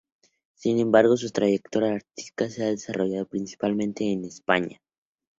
Sin embargo, su trayectoria artística se ha desarrollado principalmente en España.